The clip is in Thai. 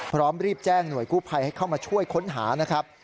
พร้อมรีบแจ้งหน่วยกู้ภัยให้เข้ามาช่วยค้นหานะครับ